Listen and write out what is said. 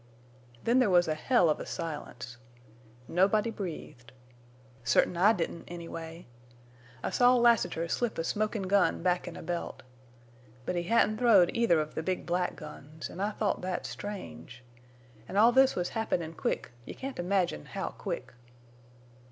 "Then there was a hell of a silence. Nobody breathed. Sartin I didn't, anyway. I saw Lassiter slip a smokin' gun back in a belt. But he hadn't throwed either of the big black guns, an' I thought thet strange. An' all this was happenin' quick—you can't imagine how quick.